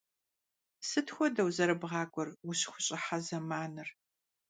Sıt xuedeu zerıbğak'uer vuşıxuş'ıhe zemanır?